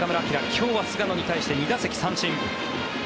今日は菅野に対して２打席三振。